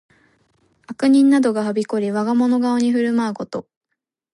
悪人などがはびこり、我がもの顔に振る舞うこと。